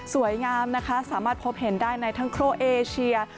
สวยงามนะคะสามารถพบเห็นได้ในทั้งโครเอเชีย